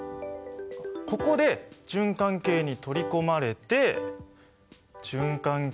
ここで循環系に取り込まれて循環系を通って